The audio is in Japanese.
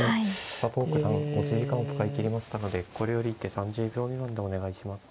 佐藤九段持ち時間を使い切りましたのでこれより一手３０秒未満でお願いします。